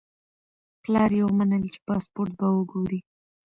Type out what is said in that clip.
پلار یې ومنله چې پاسپورت به وګوري.